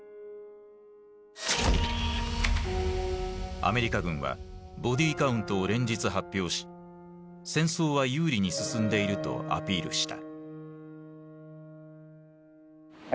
アメリカ軍はボディカウントを連日発表し戦争は有利に進んでいるとアピールした。